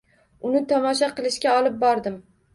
Uni tomosha qilishga olib bordim.